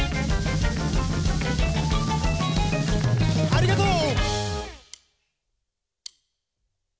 ありがとう！